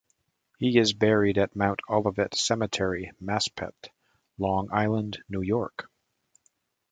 He is buried at Mount Olivet Cemetery, Maspeth, Long Island, New York.